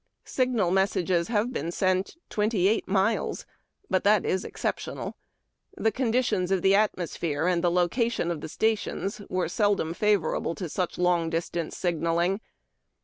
Signal messages have been sent twenty eight miles: but that is exceptional. The conditions of the atmosphere and the location of stations were seldom favorable to such long distance signalling.